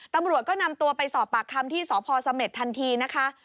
ตำรวจก็นำตัวไปสอบปากคำที่สพเสม็ดทันทีนะคะ